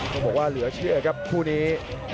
ต้องบอกว่าเหลือเชื่อครับคู่นี้